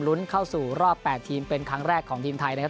เข้าสู่รอบ๘ทีมเป็นครั้งแรกของทีมไทยนะครับ